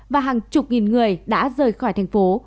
và hàng chục nghìn người đã rời khỏi thành phố